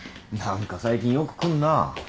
何か最近よく来んな。